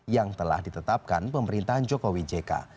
yang telah ditetapkan pemerintahan jokowi jk